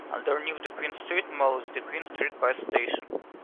Underneath the Queen Street Mall is the Queen Street Bus Station.